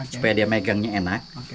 supaya dia megangnya enak